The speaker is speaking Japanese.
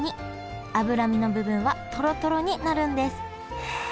脂身の部分はトロトロになるんです。